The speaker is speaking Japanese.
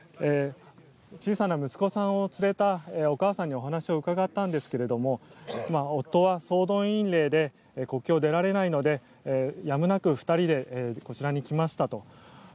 小さな息子さんを連れたお母さんにお話を伺ったんですが夫は総動員令で国境を出られないのでやむなく２人でこちらに来ましたと。